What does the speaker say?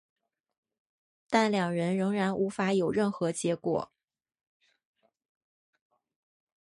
但两人仍然无法有任何结果。